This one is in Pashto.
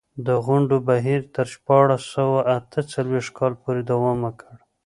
غونډو بهیر تر شپاړس سوه اته څلوېښت کال پورې دوام وکړ.